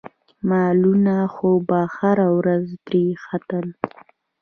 مالونه خو به هره ورځ پرې ختل.